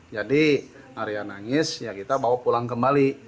jadi arya nangis ya kita bawa pulang kembali